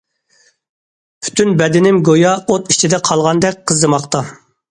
پۈتۈن بەدىنىم گويا ئوت ئىچىدە قالغاندەك قىزىماقتا.